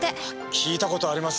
聞いた事あります。